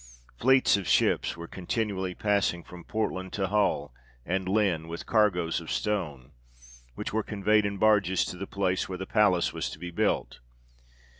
Fleets of ships were continually passing from Portland to Hull and Lynn with cargos of stone, which were conveyed in barges to the place where the palace was to be built.